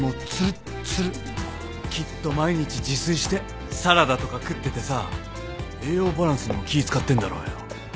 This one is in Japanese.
きっと毎日自炊してサラダとか食っててさ栄養バランスも気使ってんだろうよ。